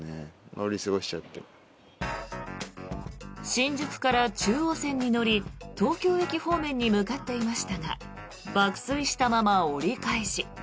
新宿から中央線に乗り東京駅方面に向かっていましたが爆睡したまま折り返し。